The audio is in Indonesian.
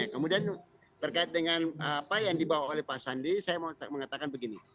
kemudian terkait dengan apa yang dibawa oleh pak sandi saya mau mengatakan begini